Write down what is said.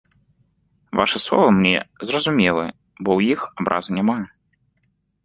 Вашы словы мне зразумелы, бо ў іх абразы няма.